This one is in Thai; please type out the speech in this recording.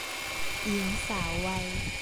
หญิงสาววัย